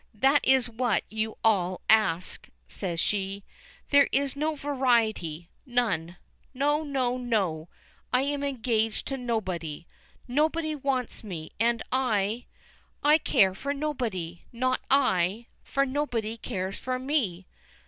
"That is what you all ask," says she. "There is no variety; none. No, no, no; I am engaged to nobody. Nobody wants me, and I 'I care for nobody, not I, for nobody cares for me.'